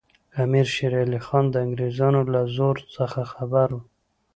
امیر شېر علي خان د انګریزانو له زور څخه خبر وو.